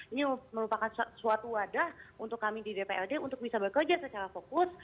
ini merupakan suatu wadah untuk kami di dprd untuk bisa bekerja secara fokus